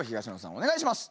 お願いします。